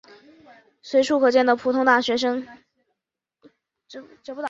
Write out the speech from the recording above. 随处可见的普通大学生。